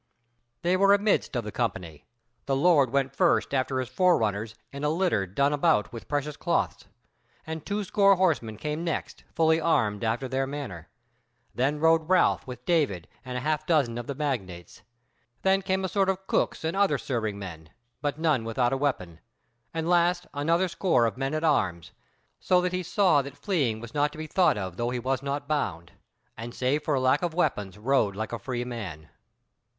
They were amidst of the company: the Lord went first after his fore runners in a litter done about with precious cloths; and two score horsemen came next, fully armed after their manner. Then rode Ralph with David and a half dozen of the magnates: then came a sort of cooks and other serving men, but none without a weapon, and last another score of men at arms: so that he saw that fleeing was not to be thought of though he was not bound, and save for lack of weapons rode like a free man.